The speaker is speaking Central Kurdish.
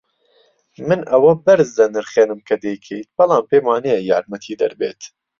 من ئەوە بەرز دەنرخێنم کە دەیکەیت، بەڵام پێم وانییە یارمەتیدەر بێت.